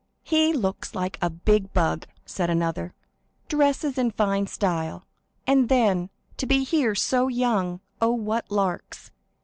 "He looks like a big bug," said another; "dresses in fine style. And, then, to be here so young! Oh, what larks!"